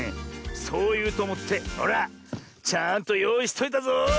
そういうとおもってほらちゃんとよういしといたぞ！